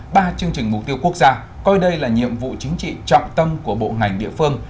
ba chương trình mục tiêu quốc gia coi đây là nhiệm vụ chính trị trọng tâm của bộ ngành địa phương